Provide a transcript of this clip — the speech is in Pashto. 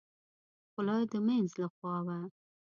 خوله د مينځ له خوا وه.